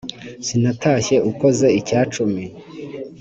sinatashye ukoze icya cumi